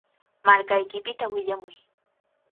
Markaykipita willamuy.